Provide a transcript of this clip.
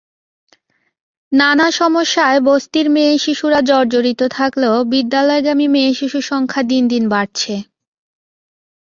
নানা সমস্যায় বস্তির মেয়েশিশুরা জর্জরিত থাকলেও বিদ্যালয়গামী মেয়েশিশুর সংখ্যা দিন দিন বাড়ছে।